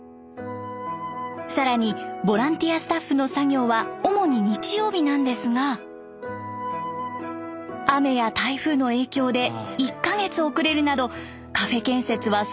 更にボランティアスタッフの作業は主に日曜日なんですが雨や台風の影響で１か月遅れるなどカフェ建設は想像以上に難航。